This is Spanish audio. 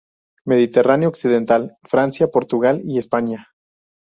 Mediterráneo occidental, Francia, Portugal y España.